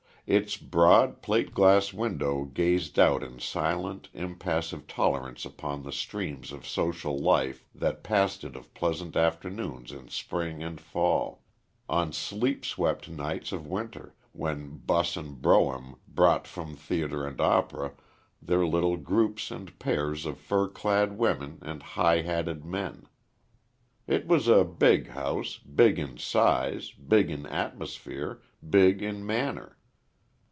Its broad, plate glass windows gazed out in silent, impassive tolerance upon the streams of social life that passed it of pleasant afternoons in Spring and Fall on sleet swept nights of winter when 'bus and brougham brought from theatre and opera their little groups and pairs of fur clad women and high hatted men. It was a big house big in size big in atmosphere big in manner.